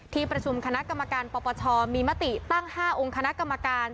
ที่ประชุมคณะกรรมการปปชมีมติตั้ง๕องค์คณะกรรมการ